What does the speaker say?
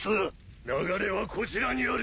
流れはこちらにある！